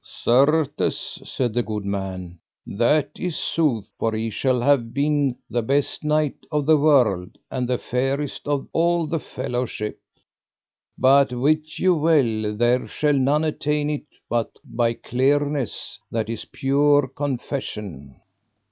Certes, said the good man, that is sooth, for he shall be the best knight of the world, and the fairest of all the fellowship. But wit you well there shall none attain it but by cleanness, that is pure confession.